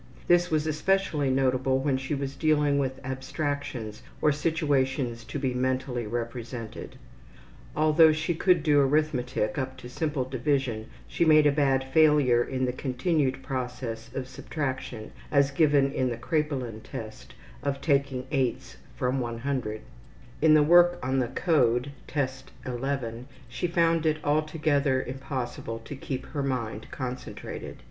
This was especially notable when she was dealing with abstractions or situations to be mentally represented. Although she could do arithmetic up to simple division she made a bad failure in the continued process of subtraction as given in the Kraepelin test of taking 8's from 100. In the work on the Code, Test XI, she found it altogether impossible to keep her mind concentrated.